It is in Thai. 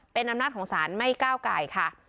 เป็นนำนักของสารไม่ก้าวกายค่ะ